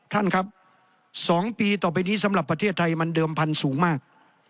ท่านครับ๒ปีต่อไปนี้สำหรับประเทศไทยมันเดิมพันธุ์สูงมาก